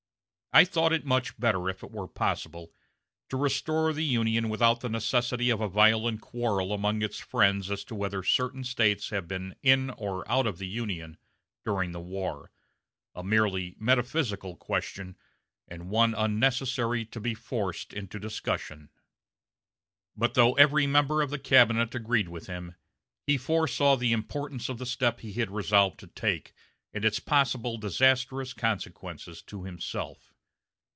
I thought it much better, if it were possible, to restore the Union without the necessity of a violent quarrel among its friends as to whether certain States have been in or out of the Union during the war a merely metaphysical question and one unnecessary to be forced into discussion." But though every member of the cabinet agreed with him, he foresaw the importance of the step he had resolved to take, and its possible disastrous consequences to himself.